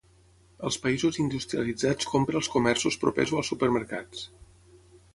Als països industrialitzats compre als comerços propers o als supermercats.